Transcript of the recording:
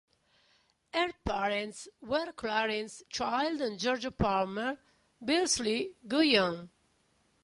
Her parents were Clarence Child and Georgia Palmer (Beardsley) Guion.